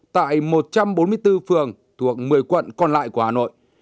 tại một trăm bốn mươi bốn phường thuộc một mươi quận còn lại của hà nội